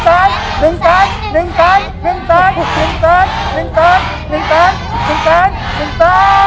แจกแจกแจกแจกแจก